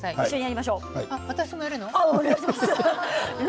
私もやるの？